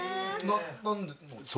何で。